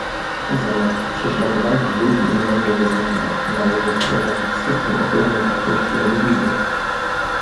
Zamiast prześladowania ludzi innego wyznania należy wprowadzić system ochrony wartości religijnych